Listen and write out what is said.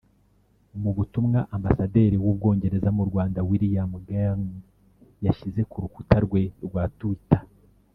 Mu butumwa Ambasaderi w’u Bwongereza mu Rwanda William Gelling yashyize ku rukuta rwe rwa twitter